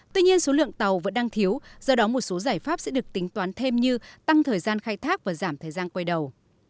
tuy nhiên số lượng tàu vẫn đang thiếu do đó một số giải pháp sẽ được tính toán thêm như tăng thời gian khai thác và giảm thời gian quay đầu